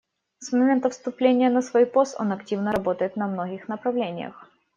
С момента вступления на свой пост он активно работает на многих направлениях.